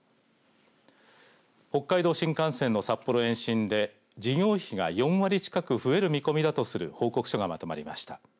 北海道新幹線の札幌延伸で事業費が４割近く増える見込みだとする報告書がまとまりました。